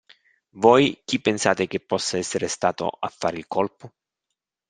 Voi chi pensate che possa essere stato a fare il colpo?